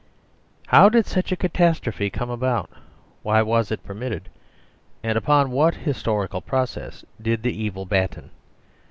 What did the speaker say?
How did such a catastrophe come about ? Why was it permitted, and upon what historical process did the evil batten